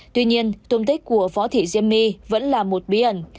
tuy nhiên tôn tích của phó thị diêm my vẫn là một bí ẩn